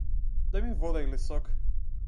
Дај ми вода или сок.